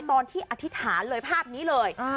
ตอนที่อธิษฐานเลยภาพนี้เลย